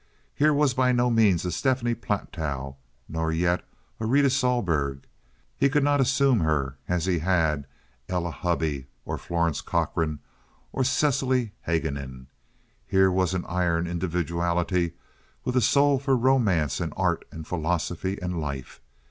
Here was by no means a Stephanie Platow, nor yet a Rita Sohlberg. He could not assume her as he had Ella Hubby, or Florence Cochrane, or Cecily Haguenin. Here was an iron individuality with a soul for romance and art and philosophy and life.